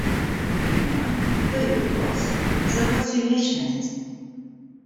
У меня, да и у вас, в запасе вечность.